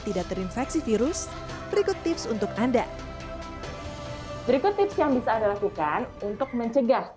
tidak terinfeksi virus berikut tips untuk anda berikut tips yang bisa anda lakukan untuk mencegah